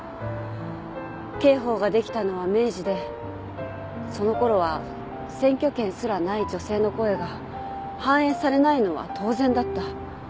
刑法ができたのは明治でそのころは選挙権すらない女性の声が反映されないのは当然だった。